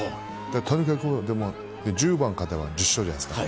とにかく十番勝てば１０勝じゃないですか。